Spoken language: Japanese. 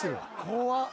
怖っ。